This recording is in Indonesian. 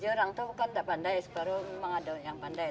tujuh orang itu bukan tidak pandai baru memang ada yang pandai